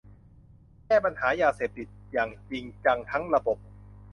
แก้ไขปัญหายาเสพติดอย่างจริงจังทั้งระบบ